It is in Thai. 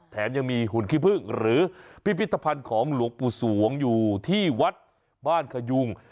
แถมยังมีหุ่นขี้พึ่งหรือพิพิธภัณฑ์ของหลวงปู่สวงอยู่ที่วัดบ้านขยุง